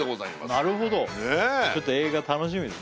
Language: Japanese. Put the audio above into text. なるほどちょっと映画楽しみですね。